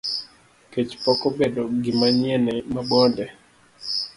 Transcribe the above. Kech pok obedo gimanyien e Mabonde.